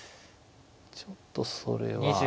ちょっとそれは。